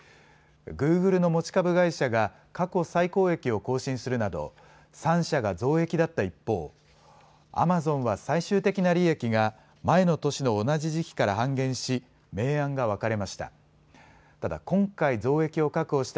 グーグルの持ち株会社が過去最高益を更新するなど３社が増益だった一方、アマゾンは最終的な利益が前の年の同じ時期から半減し明暗が分かれました。